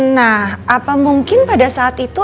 nah apa mungkin pada saat itu